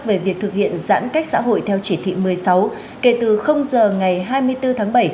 về việc thực hiện giãn cách xã hội theo chỉ thị một mươi sáu kể từ giờ ngày hai mươi bốn tháng bảy